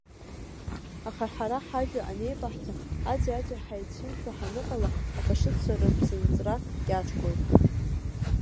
Аха ҳара ҳажәҩа анеибаҳҭа, аӡәи-аӡәи ҳаицәымшәо ҳаныҟала, афашистцәа рыԥсынҵра кьаҿхоит.